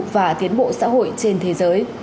và tiến bộ xã hội trên thế giới